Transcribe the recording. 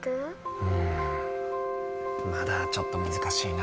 うんまだちょっと難しいな。